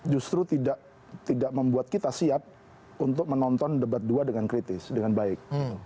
justru tidak membuat kita siap untuk menonton debat dua dengan kritis dengan baik